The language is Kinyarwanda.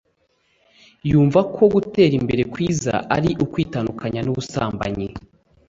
yumva ko gutera imbere kwiza ari ukwitandukanya n’ubusambanyi